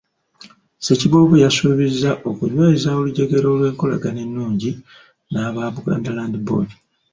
Ssekiboobo yasuubizza okunyweza olujegere olw'enkolagana ennungi n’aba Buganda Land Board.